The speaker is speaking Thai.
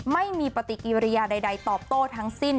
ไม่มีปฏิกิริยาใดตอบโต้ทั้งสิ้น